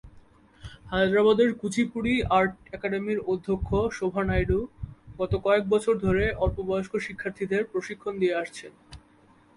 হায়দরাবাদের Kuchipudi art একাডেমির অধ্যক্ষ, শোভা নাইডু, গত কয়েক বছর ধরে অল্প বয়স্ক শিক্ষার্থীদের প্রশিক্ষণ দিয়ে আসছেন।